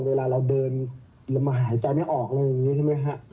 เวลาเราเดินเรามาหายใจไม่ออกอะไรอย่างนี้ใช่ไหมฮะ